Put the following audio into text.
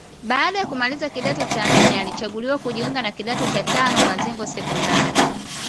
Baada ya kumaliza kidato cha nne alichaguliwa kujiunga na kidato cha tano Mazengo Sekondari